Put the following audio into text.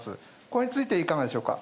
これについていかがでしょうか。